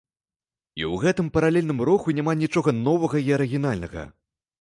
І ў гэтым паралельным руху няма нічога новага і арыгінальнага.